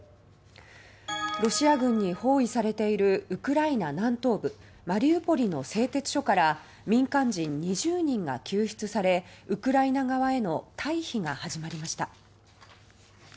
ロシア軍に包囲されているウクライナ南東部・マリウポリの製鉄所から民間人２０人が救出されウクライナ側への退避が始まりました。